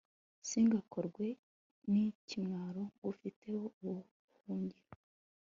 singakorwe n'ikimwaro ngufiteho ubuhungiro